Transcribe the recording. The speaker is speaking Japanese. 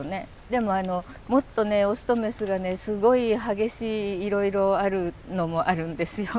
でももっとねオスとメスがねすごい激しいいろいろあるのもあるんですよ。